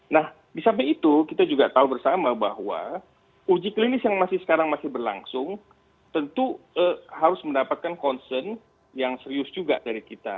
nah di samping itu kita juga tahu bersama bahwa uji klinis yang masih sekarang masih berlangsung tentu harus mendapatkan concern yang serius juga dari kita